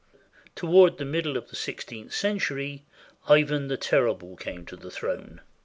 Toward the middle of the sixteenth century, Ivan the Ter rible came to the throne.